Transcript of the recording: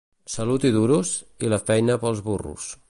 Salut i duros, i la feina pels burros.